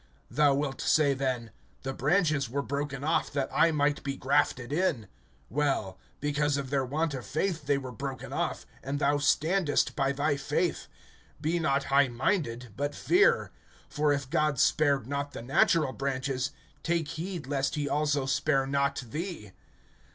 (19)Thou wilt say then: The branches were broken off, that I might be grafted in. (20)Well; because of their want of faith they were broken off, and thou standest by thy faith. Be not high minded, but fear; (21)for if God spared not the natural branches, take heed lest he also spare not thee.